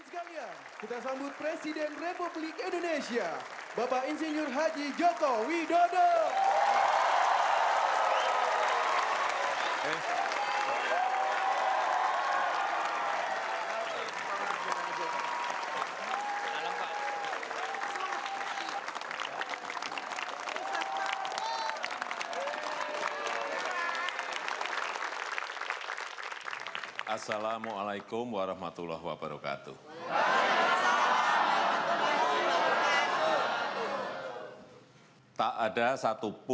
kita sambut presiden republik indonesia bapak insinyur haji jokowi dodok